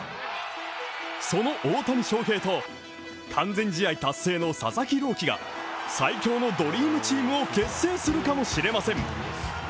その大谷翔平と完全試合達成の佐々木朗希が最強のドリームチームを結成するかもしれません。